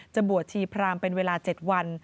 บวชชีพรามเป็นเวลา๗วัน